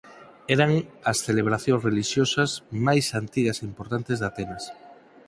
Eran as celebracións relixiosas máis antigas e importantes de Atenas.